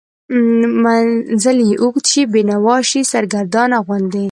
منزل یې اوږد شي، بینوا شي، سرګردانه غوندې